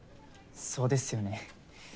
そうですよね。